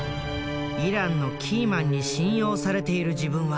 イランのキーマンに信用されている自分は